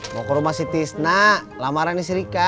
mau ke rumah si tisna lamaran si rika